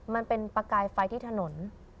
มันเป็นประกายไฟที่ถนน